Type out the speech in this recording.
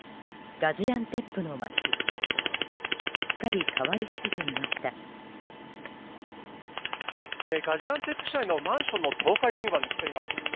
ガジアンテップ市内のマンションの倒壊現場に来ています。